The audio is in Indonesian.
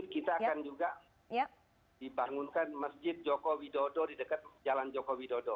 kita akan juga dibangunkan masjid joko widodo di dekat jalan joko widodo